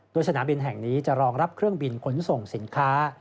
โดยสนามบินแห่งนี้จะรองรับเครื่องบินขนส่งสินค้า